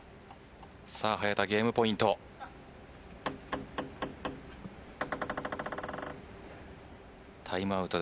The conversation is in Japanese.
早田ゲームポイント。